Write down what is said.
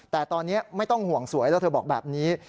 แต่ตอนนี้ไม่ต้องห่วงสวยแล้วเธอบอกแบบนี้